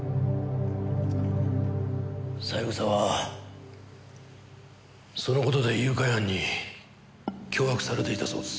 三枝はその事で誘拐犯に脅迫されていたそうです。